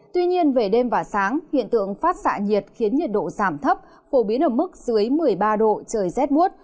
tuy nhiên về đêm và sáng hiện tượng phát xạ nhiệt khiến nhiệt độ giảm thấp phổ biến ở mức dưới một mươi ba độ trời rét buốt